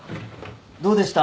どうでした？